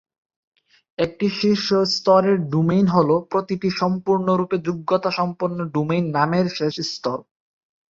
একটি শীর্ষ স্তরের ডোমেইন হলো প্রতিটি সম্পূর্ণরূপে যোগ্যতাসম্পন্ন ডোমেইন নামের শেষ স্তর।